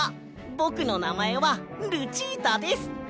ぼくのなまえはルチータです！